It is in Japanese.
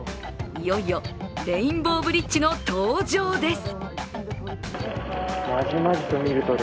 いよいよレインボーブリッジの登場です。